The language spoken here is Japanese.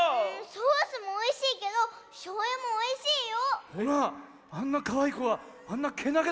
ソースもおいしいけどしょうゆもおいしいよ！